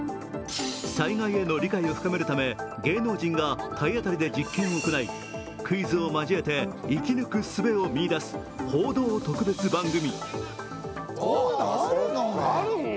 災害への理解を深めるため芸能人が体当たりで実験を行い、クイズを交えて生き抜くすべを見いだす報道特別番組。